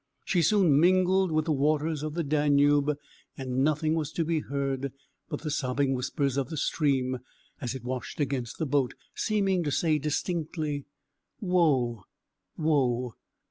She soon mingled with the waters of the Danube, and nothing was to be heard but the sobbing whispers of the stream as it washed against the boat, seeming to say distinctly, "Woe, woe!